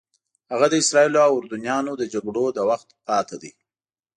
هغه د اسرائیلو او اردنیانو د جګړو د وخت پاتې دي.